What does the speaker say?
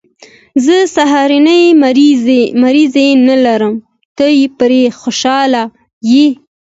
زه سهارنۍ مریضي نه لرم، ته پرې خوشحاله یې.